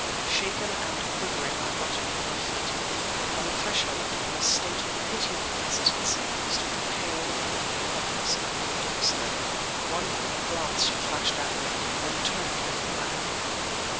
Shaken and quivering, I got upon my feet. On the threshold, in a state of pitiable hesitancy, stood the pale, beautiful accomplice of Earl Dexter. One quick glance she flashed at me, then turned and ran!